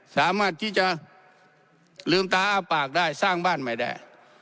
สามารถที่จะลืมตาอ้าปากได้สร้างบ้านไม่ได้